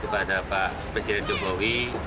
kepada pak presiden jokowi